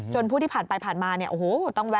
จนผู้ที่ผ่านไปผ่านมาเนี่ยโอ้โห